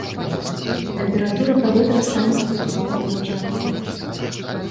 Тэмпература паветра стане паступова паніжацца.